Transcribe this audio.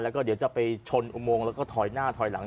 แล้วก็เดี๋ยวจะไปชนอุโมงแล้วก็ถอยหน้าถอยหลัง